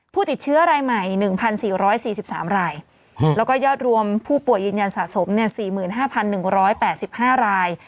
ผู้ติดเชื้อรายใหม่๑๔๔๓รายแล้วก็ยอดรวมผู้ป่วยยืนยันสะสม๔๕๑๘๕ราย